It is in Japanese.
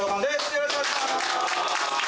よろしくお願いします！